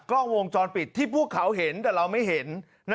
กล้องวงจรปิดที่พวกเขาเห็นแต่เราไม่เห็น